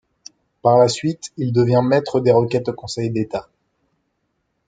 Par la suite, il devient maître des requêtes au Conseil d'État.